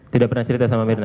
tidak pernah cerita sama mirna